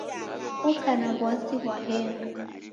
Oka na w'asi ghwa henga